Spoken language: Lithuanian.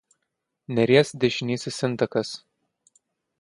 Neries dešinysis intakas.